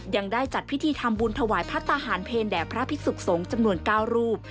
ยังได้จัดพิธีทำบุญถวายพระทหารเพลแด่พระภิกษุสงฆ์จำนวน๙รูป